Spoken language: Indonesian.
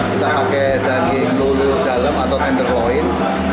kita pakai daging lulu dalam atau tenderloin